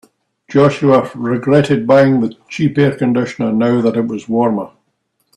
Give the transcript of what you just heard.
Joshua regretted buying a cheap air conditioner now that it was warmer.